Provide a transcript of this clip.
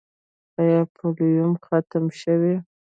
آیا پولیو ختمه شوې؟